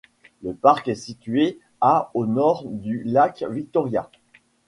Le parc est situé à au nord du lac Victoria.